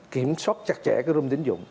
kiểm soát chặt chẽ cái rung tín dụng